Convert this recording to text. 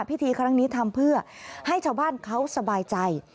พิธีครั้งนี้ทำเพื่อให้ชาวบ้านเขาสบายใจ